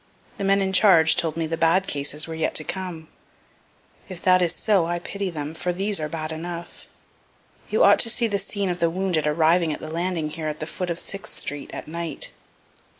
The men in charge told me the bad cases were yet to come. If that is so I pity them, for these are bad enough. You ought to see the scene of the wounded arriving at the landing here at the foot of Sixth street, at night.